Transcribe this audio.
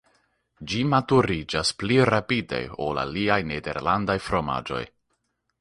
Ĝi maturiĝas pli rapide ol aliaj nederlandaj fromaĝoj.